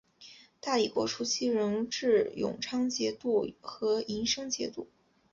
大理国初期仍置永昌节度和银生节度。